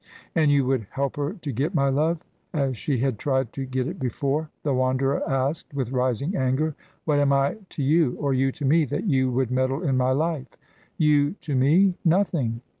"And you would help her to get my love, as she had tried to get it before?" the Wanderer asked with rising anger. "What am I to you, or you to me, that you would meddle in my life?" "You to me? Nothing.